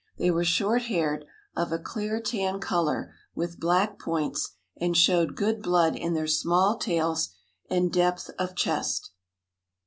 They were short haired, of a clear tan color with black points, and showed good blood in their small tails and depth of chest.